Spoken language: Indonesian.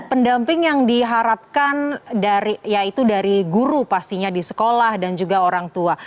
pendamping yang diharapkan yaitu dari guru pastinya di sekolah dan juga orang tua